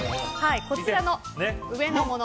こちらの上のもの。